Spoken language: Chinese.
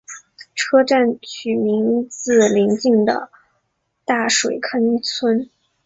车站取名自邻近的大水坑村。